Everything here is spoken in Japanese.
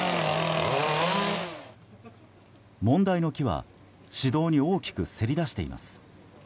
問題の木は市道に大きくせり出しています。